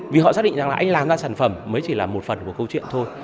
vì họ xác định rằng là anh làm ra sản phẩm mới chỉ là một phần của câu chuyện thôi